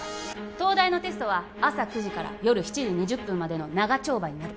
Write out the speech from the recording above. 東大のテストは朝９時から夜７時２０分までの長丁場になる